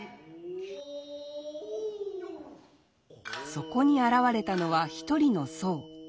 そこに現れたのは一人の僧。